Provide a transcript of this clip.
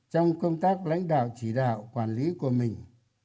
trong công tác lãnh đạo chỉ đạo quản lý của mình